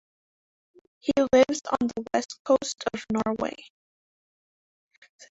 He lives on the west coast of Norway.